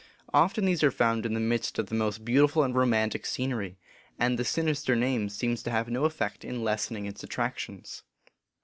Often these are found in the midst of the most beautiful and romantic scenery, and the sinister name seems to have no effect in lessening its attractions.